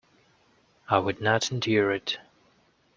I would not endure it.